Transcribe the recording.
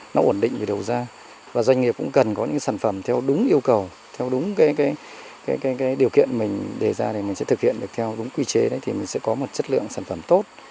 nó ổn định về đầu ra và doanh nghiệp cũng cần có những sản phẩm theo đúng yêu cầu theo đúng cái điều kiện mình đề ra thì mình sẽ thực hiện được theo đúng quy chế đấy thì mình sẽ có một chất lượng sản phẩm tốt